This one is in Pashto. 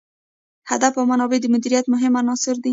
هدف او منابع د مدیریت مهم عناصر دي.